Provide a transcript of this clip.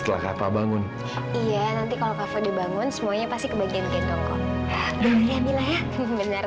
kakak bangun iya nanti kalau kakak dibangun semuanya pasti kebagian gendong kok bener bener